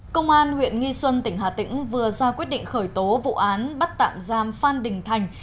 công an huyện nghi xuân tỉnh hà tĩnh vừa ra quyết định khởi tố vụ án bắt tạm giam phan đình thành